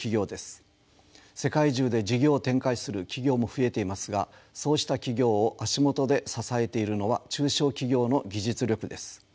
世界中で事業を展開する企業も増えていますがそうした企業を足元で支えているのは中小企業の技術力です。